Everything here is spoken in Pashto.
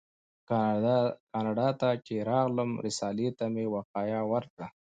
کاناډا ته چې راغلم رسالې ته مې وقایه ورکړه.